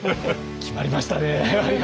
決まりましたね！